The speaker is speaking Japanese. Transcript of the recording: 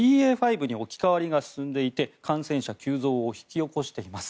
．５に置き換わりが進んでいて感染者急増を引き起こしています。